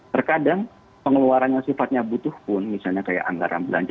terkadang pengeluarannya sifatnya butuh pun misalnya kayak anggaran belanja